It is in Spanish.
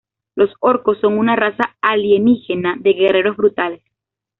Los Orcos son una raza alienígena de guerreros brutales.